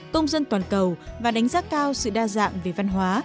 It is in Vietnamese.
công dân toàn cầu và đánh giá cao sự đa dạng về văn hóa